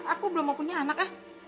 aku belum mau punya anak ya